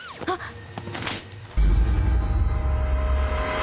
あっ！